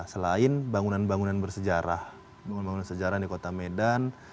selain bangunan bangunan bersejarah bangunan bangunan sejarah di kota medan